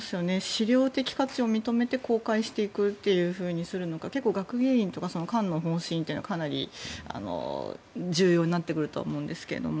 資料的価値を認めて公開していくというふうにするのか結構、学芸員とか館の方針とかかなり重要になってくるとは思うんですが。